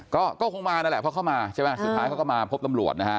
ก็ก็คงมานั่นแหละเพราะเข้ามาใช่ไหมสุดท้ายเขาก็มาพบตำรวจนะฮะ